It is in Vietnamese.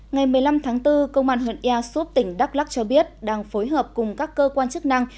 ngày một mươi năm tháng bốn công an huyện ia súp tỉnh đắk lắc cho biết đang phối hợp cùng các cơ quan chức năng